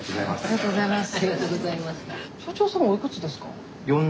ありがとうございます。